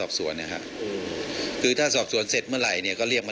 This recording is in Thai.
หากผู้ต้องหารายใดเป็นผู้กระทำจะแจ้งข้อหาเพื่อสรุปสำนวนต่อพนักงานอายการจังหวัดกรสินต่อไป